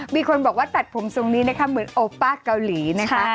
มีคนบอกว่าตัดผมทรงนี้นะคะเหมือนโอป้าเกาหลีนะคะ